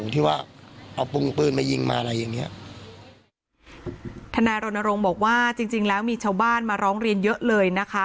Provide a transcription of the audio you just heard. ธนารณรงค์บอกว่าจริงแล้วมีชาวบ้านมาร้องเรียนเยอะเลยนะคะ